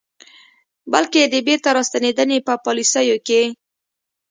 بلکې د بیرته راستنېدنې په پالیسیو کې